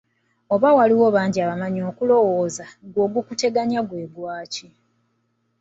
Oba waliwo bangi abamanyi okulowoza; ggwe ogukuteganya gwe gwaki?